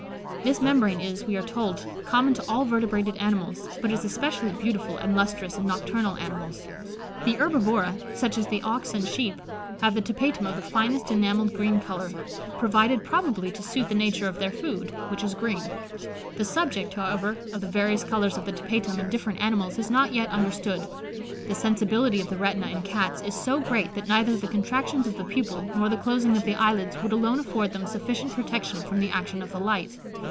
This membrane is, we are told, common to all vertebrated animals, but is especially beautiful and lustrous in nocturnal animals. The herbivora, such as the ox and sheep, have the tapetum of the finest enamelled green colour, provided probably to suit the nature of their food, which is green. The subject, however, of the various colours of the tapetum in different animals is not yet understood. The sensibility of the retina in Cats is so great that neither the contractions of the pupil nor the closing of the eye lids would alone afford them sufficient protection from the action of the light.